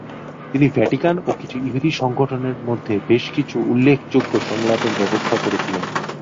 তিনি ভ্যাটিকান ও কিছু ইহুদী সংগঠনের মধ্যে বেশ কিছু উল্লেখযোগ্য সংলাপের ব্যবস্থা করেছিলেন।